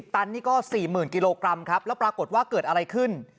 ตันนี่ก็๔๐๐๐กิโลกรัมครับแล้วปรากฏว่าเกิดอะไรขึ้น